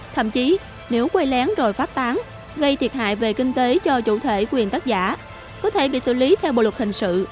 thậm chí nếu quay lén rồi phát tán gây thiệt hại về kinh tế cho chủ thể quyền tác giả có thể bị xử lý theo bộ luật hình sự